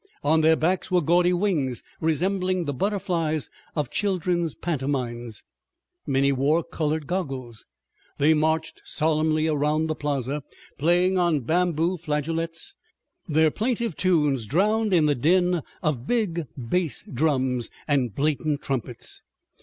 On their backs were gaudy wings resembling the butterflies of children's pantomimes. Many wore colored goggles. They marched solemnly around the plaza, playing on bamboo flageolets, their plaintive tunes drowned in the din of big bass drums and blatant trumpets.